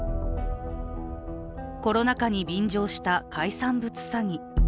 コロナ禍に便乗した海産物詐欺。